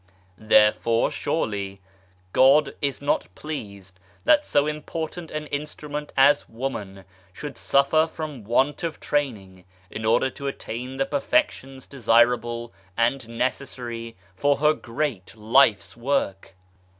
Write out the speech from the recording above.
Therefore, surely, God is not pleased that so important an instrument as woman should suffer from want of training in order to attain the perfections desirable and necessary for her great life's work